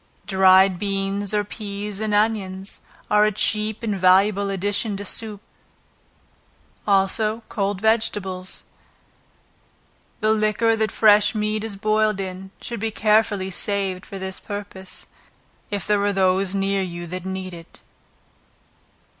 Dried beans or peas, and onions, are a cheap and valuable addition to soup; also cold vegetables. The liquor that fresh meat is boiled in, should be carefully saved for that purpose, if there are those near you that need it.